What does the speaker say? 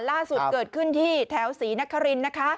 ล่าสุดเกิดขึ้นที่แถวศรีนครินนะคะ